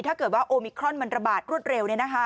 ถ้าเกิดว่าโอมิครอนมันระบาดรวดเร็ว